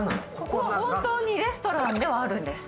ここは本当にレストランではあるんです。